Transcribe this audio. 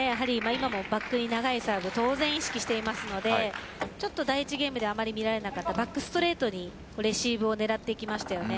今も、バックに長いサーブ当然、意識していますので第１ゲームであまり見られなかったバックストレートにレシーブを狙っていきましたよね。